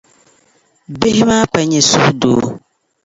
Bihi maa pa nyɛ suhudoo.